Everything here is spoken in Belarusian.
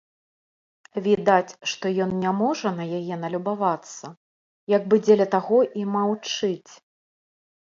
Відаць, што ён не можа на яе налюбавацца, як бы дзеля таго і маўчыць.